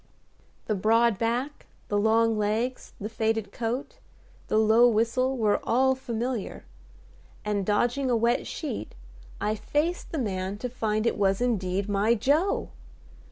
The broad back, the long legs, the faded coat, the low whistle were all familiar; and, dodging a wet sheet, I faced the man to find it was indeed my Joe!